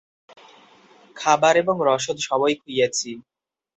খাবার এবং রসদ সবই খুঁইয়েছি।